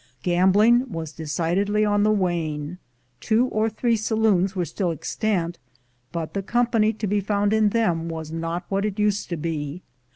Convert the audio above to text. Gambling was decidedly on the wane. Two or three saloons were still extant, but the company to be found in them was not what it used to be.